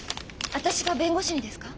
私が弁護士にですか？